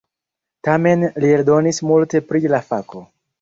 Tamen li eldonis multe pri la fako.